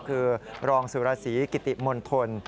คือรองสุรสีกิติมณฑล